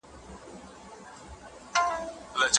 ایا ته د یو شاعر زېږېدو ورځ لمانځې؟